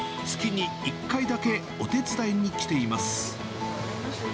月に１回だけお手伝いに来ています。